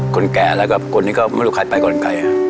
แก่แล้วก็คนนี้ก็ไม่รู้ใครไปก่อนใคร